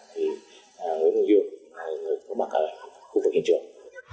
thì nguyễn văn liêu là người có mặt ở khu vực hiện trường